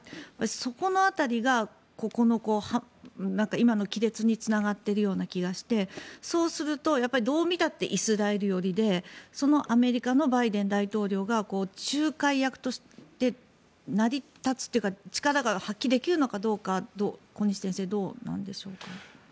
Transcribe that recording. そこの辺りが今の亀裂につながってる気がしてそうすると、どう見たってイスラエル寄りでそのアメリカのバイデン大統領が仲介役として成り立つというか力が発揮できるのかどうか小西先生、どうなんでしょうか。